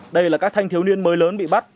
đây là các thanh thiếu niên mới lớn bị bắt